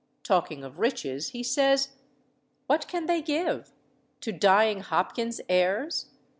Talking of riches, he says "What can they give? to dying Hopkins heirs?